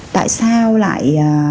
tại sao lại